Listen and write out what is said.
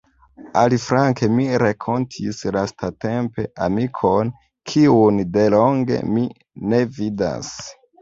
Aliflanke, mi renkontis lastatempe amikon, kiun delonge mi ne vidas.